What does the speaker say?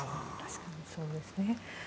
確かにそうですね。